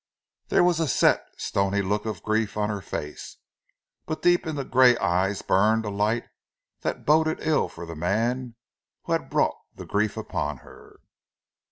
There was a set, stony look of grief on her face; but deep in the grey eyes burned a light that boded ill for the man who had brought the grief upon her.